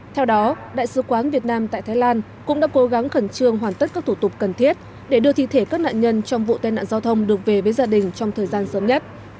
theo đó đại sứ quán việt nam tại thái lan cũng đã cố gắng khẩn trương hoàn tất các thủ tục cần thiết để đưa thi thể các nạn nhân trong vụ tai nạn giao thông được về với gia đình trong thời gian sớm nhất